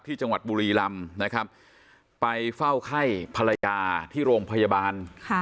จังหวัดบุรีลำนะครับไปเฝ้าไข้ภรรยาที่โรงพยาบาล